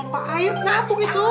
di pompa air ngapain itu